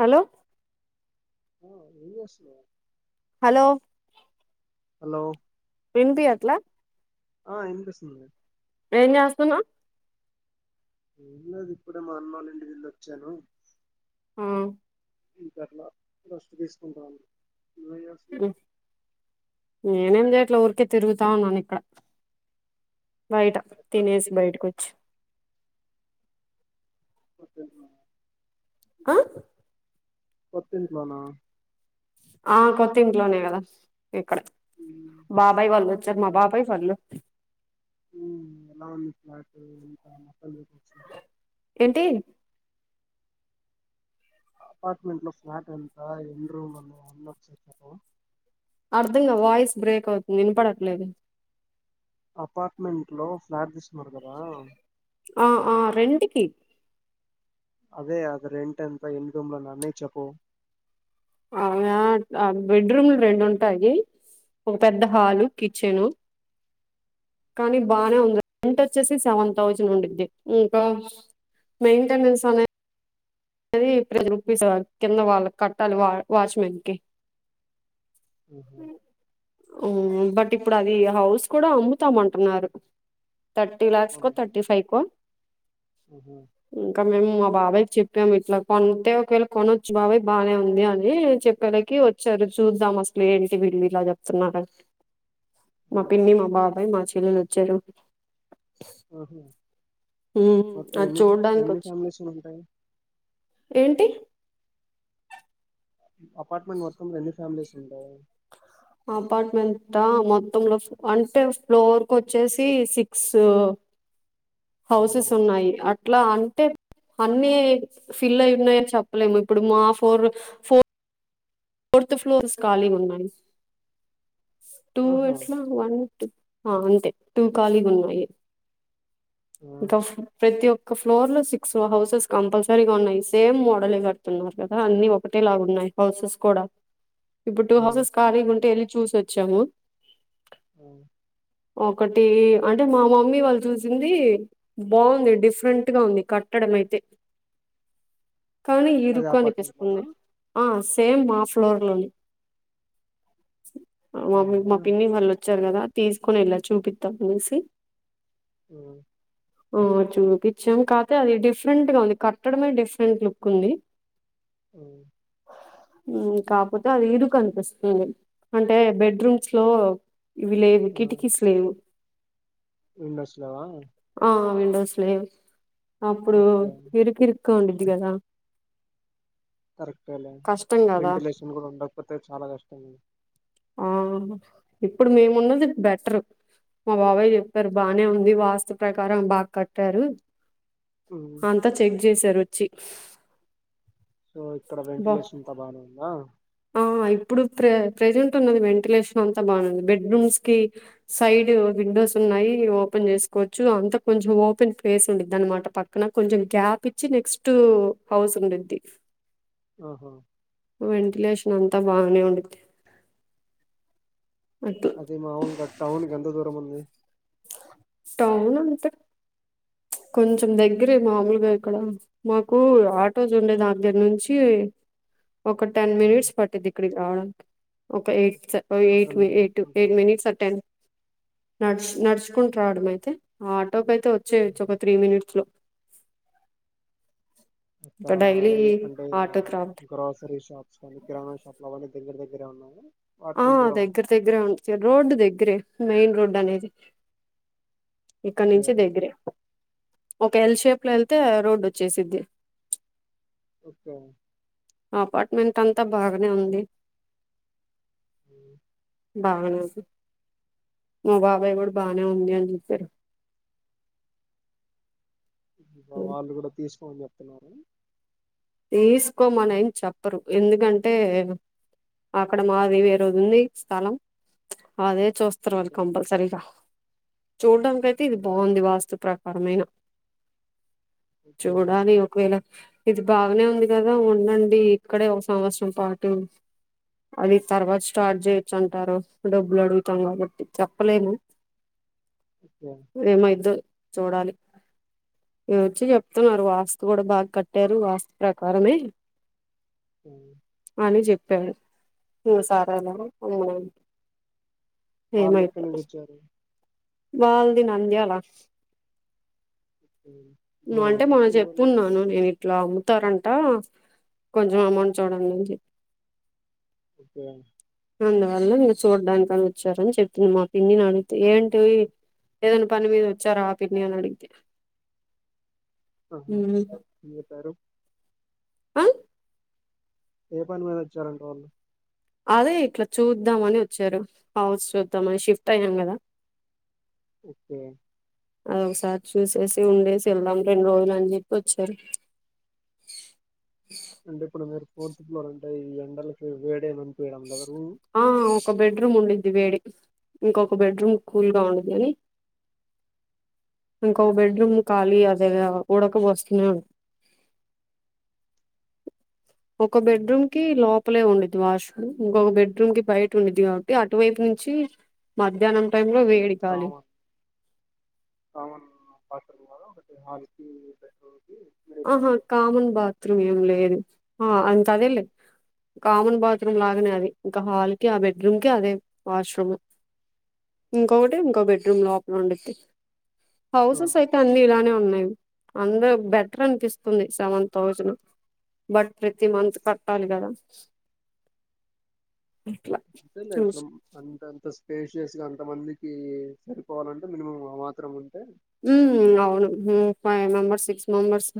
Hello ఆ ఏం జెస్తున్నావ్ హలో హలో విన్పియాట్లా ఆ ఇన్పిస్తుంది ఏం చేస్తన్నావ్ ఏం లేదు ఇప్పుడే మా అన్నోళ్ళింటికి ఎల్లాచ్చాను హ్మ్ ఇంకట్లా రెస్ట్ తీసుకుంటా ఉన నేనేం జేయట్లే ఊరికే తిరుగుతా ఉన్నాను ఇక్కడ బయట ఎక్కడ తినేసి బయటకచ్చి [unintelligible] ఆ కొత్తింట్లోనా ఆ కొత్తింట్లోనే గదా ఇక్కడ బాబాయ్ వాళ్ళు వచ్చారు మా ఎలా బాబాయ్ వాళ్ళు ఉమ్ అవును [unintelligible] ఏంటి అపార్ట్మెంట్ లో ఫ్లాట్ ఎంత ఎన్ రూమ్ అన్నా [unintelligible] అర్ధంగా వాయిస్ బ్రేక్ అవుతుంది వినపడట్లేదు అపార్ట్మెంట్లో ఫ్లాట్ తీసున్నారు కదా ఆ ఆ రెంటికి అదే అది రెంటెంత ఎన్ని రూమ్ంల నన్నే చెప్పు అవున ఆ బెడ్రూమ్లు రెండు ఉంటయి ఒక పెద్ద హాలు కిచెను కానీ బానే ఉంది రెంట్ వచ్చేసి సెవెన్ థౌజండ్ ఉండిది ఇంకా మెయింటెనెన్స్ అనే ఏది ప్రతిరూపిస కింద వాళ్ళ కట్టాలా వా వాచ్మెన్కి ఉహ్ ఉ బట్ ఇప్పుడు అది హౌస్ కూడా అమ్ముతామంటున్నారు థర్టీ లాక్స్ కో అవునా థర్టీ ఫైవ్ కో ఆహా ఇంకా మేము మా బాబాయ్కి చె టం ఇట్లా కొంటే ఒకవేళ కొనొచ్చు బాబయ్ బానే ఉంది అని చెప్పేలకి వచ్చారు చూద్దాం ఏంటి వీళ్ళు ఇలా చెప్తున్నారా మా పిన్ని మా బాబాయ్ మా చెల్లెలు వచ్చేలోపు ఆహుమ్ ఉమ్ అది చూడ్డానికి వచ్చి ఫ్యామిలీస్ ఉంటాయి ఏంటి? అపార్ట్మెంట్ మొత్తం ఎన్ని ఫ్యామిలీస్ ఉంటాయ్? అపార్ట్మెంట మొత్తంలో అంటే ఫ్లోర్ కు వచ్చేసి సిక్స్ ఆహా హౌసెస్ ఉన్నాయి అట్లా అంటే అన్నీ ఫిల్ అయి ఉన్నాయని చెప్పలేము ఇప్పుడు మా ఫోర్ ఫోర్ ఫోర్త్ ఫ్లోర్స్ ఖాళీ ఉన్నాయి. టూ ఆహా. ఎట్లా వన్ టు అంతే టూ ఖాళీగా ఉన్నాయి. ఆ ఇంకా ప్రతి ఒ క్క ఫ్లోర్ లో సిక్స్ హౌసెస్ కంపల్సరీగా ఉన్నాయి. సేమ్ మోడలె కడుతున్నారు కదా అన్ని ఒకటే లాగా ఉన్నాయి. ఇ హౌసెస్ కూడా ఇప్పుడు టూ ఆ హౌసెస్ ఖాళీగా ఉంటే వెళ్ళి చూసి వచ్చాము. అ ఒకటి అంటే మా మమ్మీ వాళ్ళు చూసింది బావుంది డిఫరెంట్ గా ఉంది కట్టడం అయితే కానీ అదే ఇరుకు అపార్ట్మెంట్ లోనా అనిపిస్తుంది ఆ సేమ్ మా ఫ్లోర్ లోనే అవునా మమ్మి మా ఆ పిన్ని వాళ్ళు వ చ్చారు కదా తీసుకొని ఎళ్ళ చూపిద్దాం అనేసి ఉ ఆ చూపించాం కాపోతే అది డిఫరెంట్ గా ఉంది. కట్టడమే డిఫరెంట్ లుక్ ఉంది. అ మ్ కాపోతే అది ఇరుకు అనిపిస్తుంది. అంటే బెడ్రూమ్స్ లో ఇవి లేవు కిటికీస్ లేవు. విండోస్నవా ఆ విండోస్ లేవ్ అప్పుడు ఓకే ఇరుకిరు కు ఉండిద్ది కదా కరెక్టే లే కష్టం కదా వెంటిలేషన్ కూడా ఉండకపోతే చాలా కష్టం. ఆహు ఇప్పుడు మేము ఉన్నది బెటరు మా బాబాయ్ చెప్పారు బానే ఉంది వాస్తు ప్రకారం బా కట్టారు. ఉమ్ అంతా చెక్ చేశారు వచ్చి సో ఇక్కడ బా వెంటిలేషనంతా బానే ఉందా? ఆ ఇప్పుడు ఇప్పుడే ప్రెజెంట్ ఉన్నది వెంటిలేషన్ అంతా బానే ఉంది. బెడ్రూమ్స్ కి సైడ్ సో విండోస్ ఉన్నాయి ఓపెన్ చేసుకోవచ్చు. అంత కొంచెం ఓపెన్ పెస్ ఉండిద్ అన్నమాట పక్కన కొంచెం యాప్ ఇచ్చి నెక్స్ట్ హౌస్ ఉండిద్ది. ఆహా వెంటిలేషన్ అంతా బానే ఉండిద్ధి. అది మాముూలుగా టౌన్ కి ఎంత దూరం ఉంది? టౌన్ ఉంటే కొంచెం దగ్గరే మామూలుగా ఇక్కడ మాకు ఆటోస్ ఉండే దాని దగ్గర నుంచి ఒక టెన్ ఉమ్. మినిట్స్ పట్టిద్ధి ఇక్కడికి రావడానికి ఒక ఎయిట్స్ ఒ అక్కడ ఎయిట్ నుంచి ఎయిటు నడుచుకుంటూ ఎయిట్ రావాలి మినిట్స్ ఆ టెన్ న నడుచుకుంట రావడం అయితే ఆ ఆటోకి అయితే వచ్చేయచ్చు ఒక త్రీ మినిట్స్ లో ఇంకా అక్కడ డైలీ అంటే ఇలా ఆటోకి రా గ్రాసరీ షాప్స్ కానీ, కిరాణా షాప్ అవన్నీ దగ్గర దగ్గరే ఉన్నాయా? ఆ దగ్గర దగ్గరే ఉంట రోడ్డు దగ్గరే మెయిన్ రోడ్డు దనేది ఇక్కడ ఓకే నుంచి దగ్గరే ఒక ఎల్ షేప్ లో ఎళ్తే రోడ్డు వచ్చేసిద్ది ఓకే ఆ అపార్ట్మెంట్ అంతా బాగనే ఉంది. ఉమ్ బాగనే ఉంది, మా బాబాయి కూడా బానే ఉంది అని చెప్పారు [inaudible] మా వాళ్ళు కూడా తీసుకోమని చెప్తున్నారు. తీసుకోమనెం చెప్పరు ఎందుకంటే అక్కడ మాది వేరేది ఉంది స్థలం. అదే చూస్తరు వాళ్ళు ఓకే కంపల్సరీగా. చూడ్డానీకైతే ఇది బావుంది వాస్తు ప్రకారమైన. ఓకే చూడాలీ ఒకవేళ ఇది బాగనే ఉంది కదా ఉండండి ఇక్కడే ఒక సంవత్సరం పాటు. అది తర్వాత స్టార్ట్ చేయొచ్చు అంటారు, డబ్బులు అడుగుతాం కాబట్టి చెప్పలేము. ఓకే ఏమయిద్దో చూడాలి, మీ వచ్చి చెప్తున్నారు వాస్తు గుడ బాగా కట్టారు వాస్ ప్రకారమే ఉమ్ అని చెప్పారు, ఇంగ సారాల వాళ్ళు ఎక్కడ నుంచి వచ్చారు? వాల్ది నంద్యాల. ఉమ్, నువ్వంటే దూరమేనా మొన్న మీ ఊరు నుంచి చెప్పున్నాను నేను ఇట్లా అమ్ము తారంట కొంచం అమౌంట్ చూడండి అని చెప్ ఓకె అందువల్ల మీరు చూడ్డానికి అని వచ్చారని చెప్తుంది మా పిన్నినీ అడిగితే ఏంటివి ఏదన్నా పని మీద వచ్చారా ఆ పిన్ని అని అడిగితి ఆహ మీ తరు అ ఏ పని మీద వచ్చారంట వాళ్ళు? అదే ఇట్ల చూద్దామని వచ్చారు, హౌస్ చూద్దామని షిఫ్ట్ అయ్యాం కదా ఓకే అదోకసారి చూసేసి ఉండేసి వెళ్దాం రెండు రోజులు అని చెప్పి వచ్చారు. [inaudible] అంటే ఇప్పుడు మీరు ఫోర్త్ ఫ్లోర్ అంటే ఈ ఎండలకి వేడేమి అనిపీయడం లేదా? రూమ్ ఆ ఒక బెడ్రూమ్ ఉండి ది వేడి ఇంకొక బెడ్రూమ్ కూల్ గా ఉండిది అని ఇంకో బెడ్రూమ్ ఖాళీ అదే ఉడక పోస్తునే ఉం ఒక మరి బెడ్రూమ్ కి లోప్ పలే ఉండిద్ది వాష్రూమ్, ఇంకొక బెడ్రూమ్ కి బయట ఉండుద్ది కాబట్టి అటువైపు నుంచి మద్ ధ్యాహ్నం టైమ్ లో వేడి గాలి. సామన్ పటలు పోలో ఒకటి హల్కి బెడ్ రూమ్ కి ఆహా కామన్ బాత్రూమ్ ఏం లేదు, ఆ ఇంకా అదే లే కామన్ బాత్రూమ్ లాగనే అది, ఇంకా హాల్ కి ఆ బెడ్రూమ్ కి అదే వాష్రూము ఇంకొకటి ఇంకో బెడ్రూమ్ లోపల ఉండిద్ది, హౌసెస్ అయితే అన్ని ఇలానే ఉన్నవి అందరు బెటర్ అనిపిస్తుంది సెవెన్ థౌజను బట్ ప్రతి మంత్ కట్టాలి కదా అట్లా అంతేలే ఇప్పుడు అంతంత స్పేషియస్ గా అన్ కొంత మందికి సరిపోవాలంటే మినిమం ఆ మాత్రం ఉంటే ఉమ్ అవును ఫైవ్ మెంబర్స్ సిక్స్ మెంబర్స్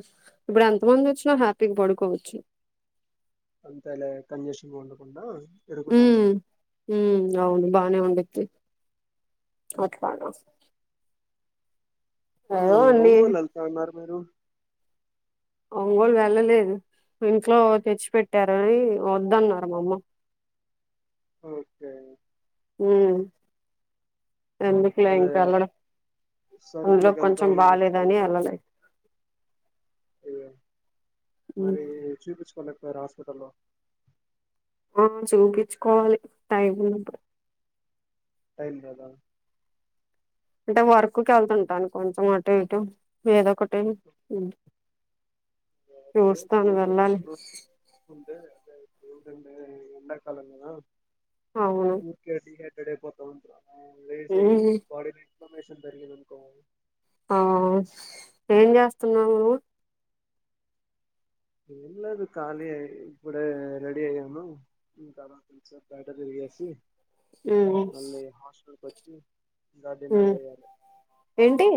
ఇప్పుడు ఎంత మంది వచ్చినా హ్యాపీగా పడు కోవచ్చు అంతేలే కంజెషన్గా ఉండకుండా ఉ ఇరుకుటాంగా ఉ అవును బానే ఉం తే అట్లా అవును ఒంగోలు వెళ్తా అన్నారు ఒంగోల్కి వెళ్ళలేదు ఇంట్లో తెచ్చి పెట్టారు అవి వద్దన్నారు మామ్మ ఓకే ఊ ఎందుకులే అదే ఇంకా వెళ్ళడం అందులో సరుకులకి వెళ్తా కొంచెం అని చెప్పారు బాగాలేదని కదా ఎల్ళలే అయ్యో ఉమ్ మరి చూపించుకోలేక పోయారా హాస్పిటల్లో ఆ చూపించుకోవాలి టైమ్ ఉన్నప్పుడు టైం లేదా అంటే వర్క్కి వెళ్తుంటాను కొంచెం అటు ఇటు ఏదో ఒకటి ఎప్పుడో చూస్తాను వెళ్ళాలి ఎండా కాలం కదా అవును ఉరికే డీహై ఎడైపోతావ్ అంతల ఆ ఉమ్ బాడీ లో ఇన్ఫ్లమేషన్ పెరిగింది అనుకో ఆ ఏం చేస్తున్నా నువ్వు ఏం లేదు కాలియే ఇప్పుడే రెడి అయ్యాను ఇంకా కాసేపు బయట తిరిగి తేసి ఉమ్ మళ్ళీ హాస్టల్కి వచ్చి ఇంకా అ డిన్నర్ చేయాలి ఏంటి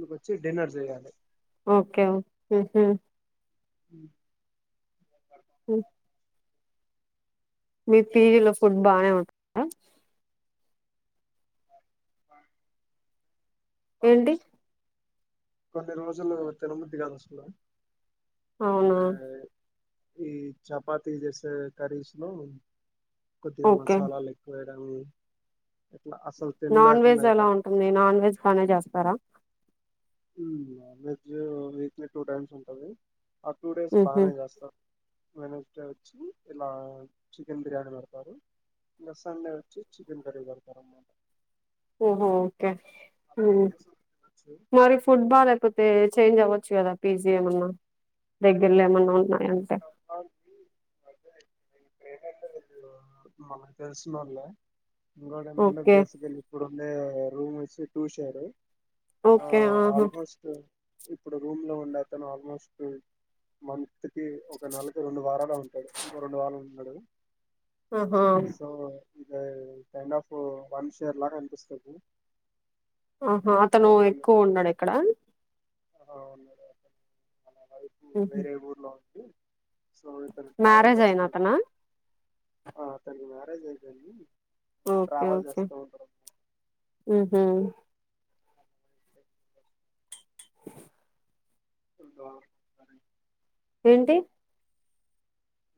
ఇంకొచ్చి డిన్నర్ చేయాలి ఓకే ఉహు ఉ ఉ మీ పీజీలో ఫుడ్ బానే ఉంటుదా బ ఏంటి కొన్ని రోజులు తిినముద్ది కాదుసలు అవునా అంటే ఈ చపాతి చేసే కర్రీస్ లో కొద్దిగా ఓకే మసాలాలు ఎక్కువ కాని నాన్ వెజ్ ఎలా ఉంటుంది నాన్ వెజ్ బానే చేస్తారా ఉ non veg weekly two times ఉంటది ఆ టూ డేస్ ఉహు బానే చేస్తారు వెడ్నెస్డే వచ్చి ఇలా చికెన్ బిర్యానీ పెడతారు ఇంక సండే వచ్చి చికెన్ బిర్యానీ పెడతార్ అనమాట ఓహో ఓకే అహ టూ డేస్ తినొచ్చు మరి ఫుడ్ బాలేకపోతే చేంజ్ అవ్వచ్చు కదా పీజీ ఏమన్నా దగ్గర్లో ఏమన్నా ఉన్నా అంటె మనకు తెలిసినోళ్లే ఇంకోటెంటంటే ఓకే బేసికల్ ఇప్పుడుండే రూమ్ వచ్చేసి టూ షేర్ ఆ ఓకే ఆహా ఆల్మోస్ట్ ఇప్పుడు రూమ్ లో ఉండే అతను ఆల్మోస్ట్ మంత్ కి ఒక నెలకి రెండు వారాలె ఉంటాడు ఇంకో రెండు వారాలు ఉన్నాడు ఆహా ఇది కైండ్ ఆఫ్ వన్స్ ఇయర్ లాగా అనిపిస్తది ఆహా అతను ఒకళ్ళు ఎక్కువ ఉండడా ఇక్కడ ఆ అవును మేడం ఉహు సో ఇతను ట్రావెల్ మ్యారేజ్ చేస్తూ అయిన అతనా ఉంటాడు ఆ అతనికి మ్యారేజ్ అయిపోయింది ఇంకా ఓకే ట్రావెల్ ఓకే చేస్తూ ఉంటారు ఉహు [inaudible] [inaudible] [inaudible] ఏంటి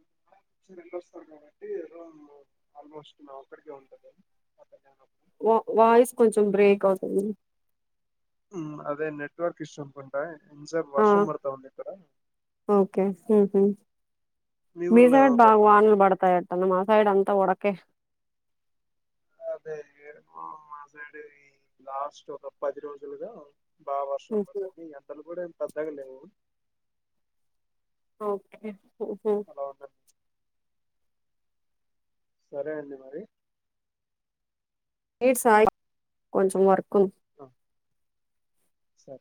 [inaudible] వస్తారు కాబట్టి ఆల్మోస్ట్ నా ఒక్కడికే ఉంటది వా వాయిస్ కొంచెం బ్రేక్ అవుతుంది ఉమ్ అదే నెట్వర్క్ ఇష్యూ స్ ఉంటాయి ఆ ఓకే హు హు మీ ఊర్లో సైడ్ ఏమైనా బాగా వానలు పడుతున్నాయా పడతాయట్టుంది మా సైడ్ అంతా ఉడకే అదే మాసైడ్ ఈ లాస్ట్ ఒక పది రోజులుగా బా వర్షం హుహు. పతుంది ఎండలు కూడా ఏం పెద్దగా లేవు ఓకే ఉహు అలా ఉండండి సరే అండి మరి ఏటి సాయి కొంచం వర్క్ ఉంది అ సరే